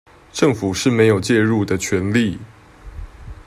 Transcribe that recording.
政府是沒有介入的權利